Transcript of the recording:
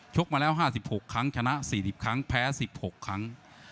กมาแล้ว๕๖ครั้งชนะ๔๐ครั้งแพ้๑๖ครั้ง